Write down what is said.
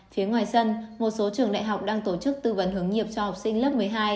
phía ngoài sân một số trường đại học đang tổ chức tư vấn hướng nghiệp cho học sinh lớp một mươi hai